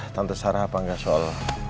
tante sarah apa enggak soal